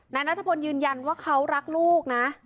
นายนัทพลยืนยันว่าเขารักลูกนะ